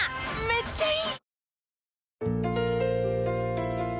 めっちゃいい！